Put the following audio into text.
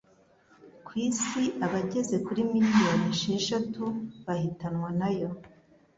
ku isi abageze kuri miliyoni esheshatu bahitanwa nayo